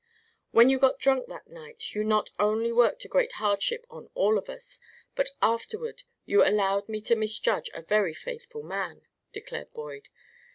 "When you got drunk that night you not only worked a great hardship on all of us, but afterward you allowed me to misjudge a very faithful man," declared Boyd.